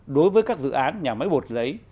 đối với các dự án nhà máy bột lấy